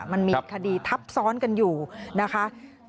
มันมีคดีทับซ้อนกันอยู่นะคะ